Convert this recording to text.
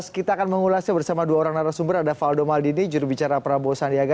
kita akan mengulasnya bersama dua orang narasumber ada faldo maldini jurubicara prabowo sandiaga